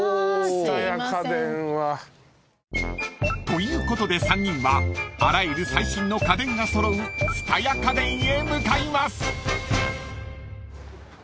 ［ということで３人はあらゆる最新の家電が揃う蔦屋家電へ向かいます］